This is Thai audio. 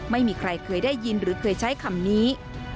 ไม่มีใครเคยได้ยินหรือเคยใช้คำนี้